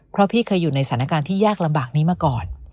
เพราะพี่เคยอยู่ในสถานการณ์ที่ยากลำบากนี้มาก่อน